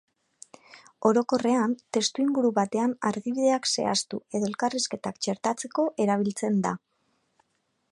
Orokorrean, testuinguru batean argibideak zehaztu edo elkarrizketak txertatzeko erabiltzen da.